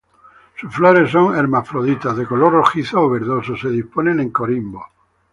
Sus flores son hermafroditas, de color rojizo o verdoso, se disponen en corimbos.